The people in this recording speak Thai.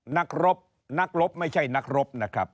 นักรบนักรบไม่ใช่นักรบนะครับ